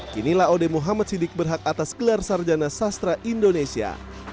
kinilah od muhammad siddiq berhak atas gelar sarjana sastra indonesia